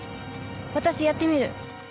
私やってみる。